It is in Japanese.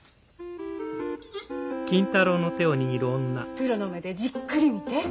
プロの目でじっくり見て。